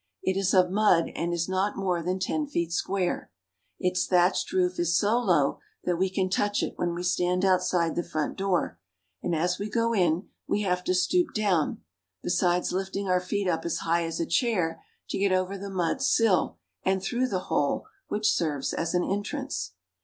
It is of mud, and is not more than ten feet square. Its thatched roof is so low that we can touch it when we stand outside the front door, and as we go in we have to stoop down, besides lifting our feet up as high as a chair to get over the mud sill and through the hole which serves as an entrance.